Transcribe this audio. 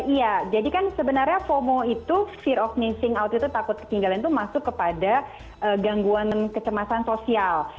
iya jadi kan sebenarnya fomo itu fear of missing out itu takut ketinggalan itu masuk kepada gangguan kecemasan sosial